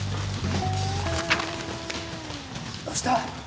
どうした？